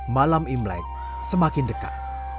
malam imlek semakin dekat